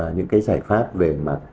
những cái giải pháp về